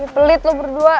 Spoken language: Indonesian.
pelit lo berdua